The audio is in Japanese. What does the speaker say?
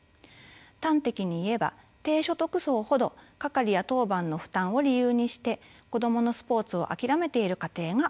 端的に言えば低所得層ほど係や当番の負担を理由にして子どものスポーツを諦めている家庭があるということです。